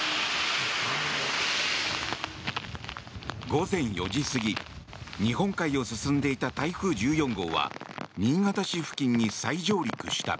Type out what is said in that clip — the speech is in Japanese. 午前４時過ぎ日本海を進んでいた台風１４号は新潟市付近に再上陸した。